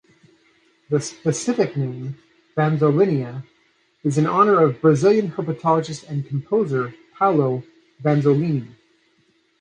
The specific name, "vanzolinia", is in honor of Brazilian herpetologist and composer Paulo Vanzolini.